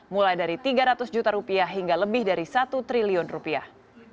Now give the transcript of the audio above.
mulai dari tiga ratus juta rupiah hingga lebih dari satu triliun rupiah